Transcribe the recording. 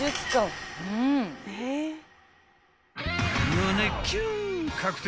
［胸キュン確定］